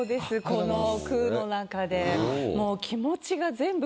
この句の中で。